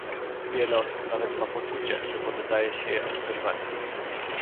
Wiele osób nawet ma poczucie, że poddaje się je obserwacji